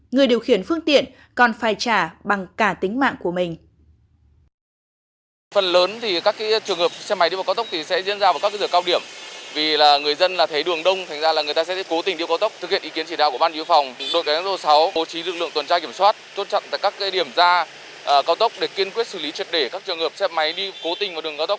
người điều khiển phương tiện còn phải trả bằng cả tính mạng của mình